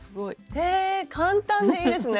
へえ簡単でいいですね。